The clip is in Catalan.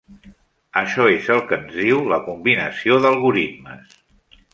Això és el que ens diu la combinació d'algoritmes.